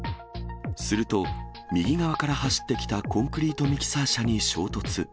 すると、右側から走ってきたコンクリートミキサー車に衝突。